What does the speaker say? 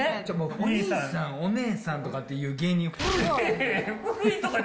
お兄さん、お姉さんとかって言う芸人古いで。